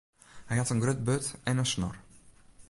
Hy hat in grut burd en in snor.